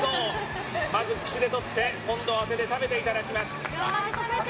まず、口で取って今度は食べていただきます。